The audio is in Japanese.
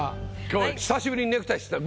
今日久しぶりにネクタイした。